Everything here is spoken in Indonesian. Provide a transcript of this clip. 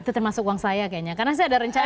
itu termasuk uang saya kayaknya karena saya ada rencana